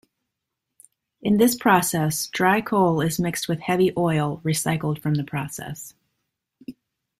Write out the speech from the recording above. In this process, dry coal is mixed with heavy oil recycled from the process.